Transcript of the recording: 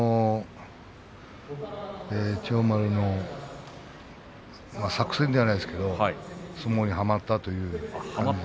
千代丸の作戦じゃないですけどつぼにはまったという。